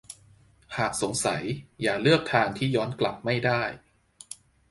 หากสงสัยอย่าเลือกทางที่ย้อนกลับไม่ได้